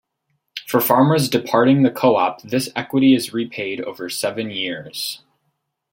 For farmers departing the co-op, this equity is repaid over seven years.